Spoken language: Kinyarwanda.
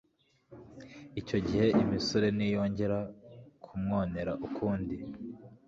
Icyo gihe imisure ntiyongera kumwonera ukundi